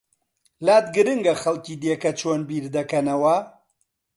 لات گرنگە خەڵکی دیکە چۆن بیر دەکەنەوە؟